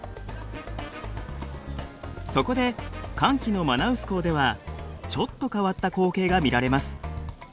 そこで乾季のマナウス港ではちょっと変わった光景が見られます。